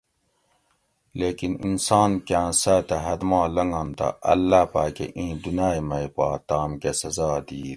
لیکن انسان کاۤں ساۤتہ حد ما لنگن تہ اللّٰہ پاکہ اِیں دنائ مئ پا تام کہ سزا دیت